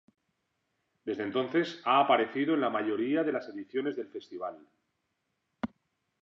Desde entonces, ha aparecido en la mayoría de las ediciones del festival.